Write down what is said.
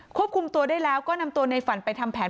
ควบคุมตัวได้แล้วก็นำตัวในฝันไปทำแผน